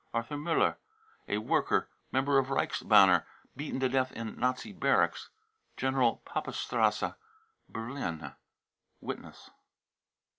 Arthur muller, a worker, member of Reichsbannj f beaten to death in Nazi barracks, General Papestrasse, Berli (Witness.)